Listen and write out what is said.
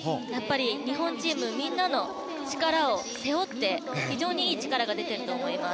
日本チームみんなの力を背負って非常にいい力が出ていると思います。